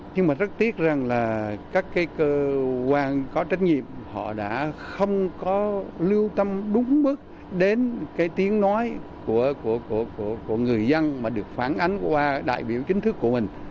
nhưng mà rất tiếc rằng là các cái cơ quan có trách nhiệm họ đã không có lưu tâm đúng bước đến cái tiếng nói của người dân mà được phản ánh qua đại biểu chính thức của mình